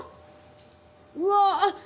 うわ